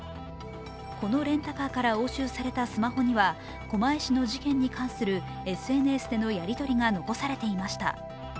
このレンタカーから押収されたスマホには狛江市の事件に関するＳＮＳでのやりとりが残されていました。